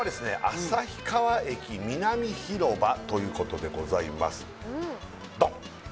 旭川駅南広場ということでございますドン！